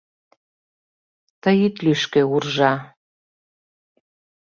ТЫЙ ИТ ЛӰШКӦ, УРЖА